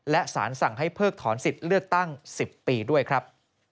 และสารสั่งให้เพิกถอนสิทธิ์เลือกตั้ง๑๐ปีด้วยครับ